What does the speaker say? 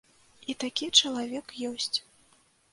І такі чалавек ёсць.